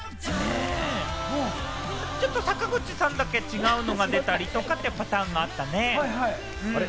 ちょっと坂口さんだけ違うのが出たりとかというパターンがあったあれ？